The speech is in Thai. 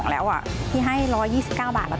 แบบนี้ให้แก่๘๕บาทได้